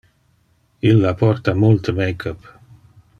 Illa porta multe make-up.